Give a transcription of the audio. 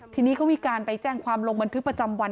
ทีนี้เขามีการไปแจ้งความลงบันทึกประจำวัน